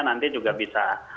nanti juga bisa